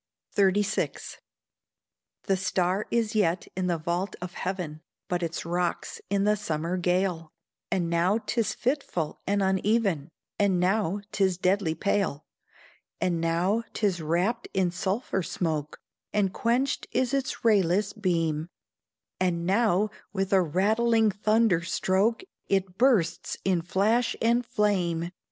XXXVI. The star is yet in the vault of heaven, But its rocks in the summer gale; And now 'tis fitful and uneven, And now 'tis deadly pale; And now 'tis wrapp'd in sulphur smoke, And quenched is its rayless beam, And now with a rattling thunder stroke It bursts in flash and flame.